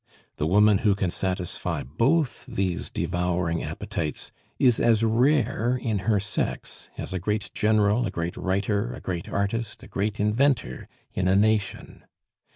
The woman who can satisfy both these devouring appetites is as rare in her sex as a great general, a great writer, a great artist, a great inventor in a nation.